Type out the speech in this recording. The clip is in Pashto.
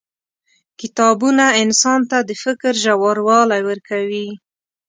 • کتابونه انسان ته د فکر ژوروالی ورکوي.